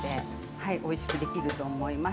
おいしくできると思います。